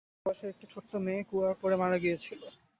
সিদ্দিক সাহেবের চার বছর বয়সের একটা ছোট্ট মেয়ে কুয়ায় পড়ে মারা গিয়েছিল।